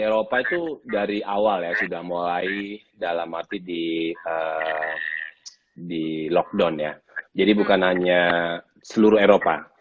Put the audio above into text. eropa itu dari awal ya sudah mulai dalam arti di lockdown ya jadi bukan hanya seluruh eropa